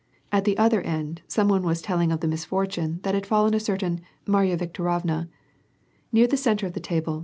At the other end, some one was telling of the misfortune that had befallen a certain Afarya Viktorovna. Near the centre of the table.